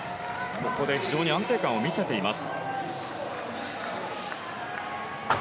ここで非常に安定感を見せています。